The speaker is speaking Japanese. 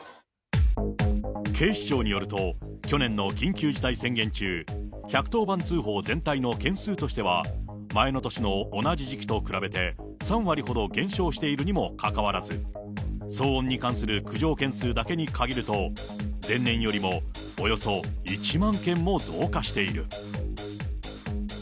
警視庁によると、去年の緊急事態宣言中、１１０番通報全体の件数としては、前の年の同じ時期と比べて、３割ほど減少しているにもかかわらず、騒音に関する苦情件数だけに限ると、前年よりもおよそ１万件も増加している。